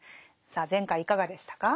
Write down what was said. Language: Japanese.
さあ前回いかがでしたか？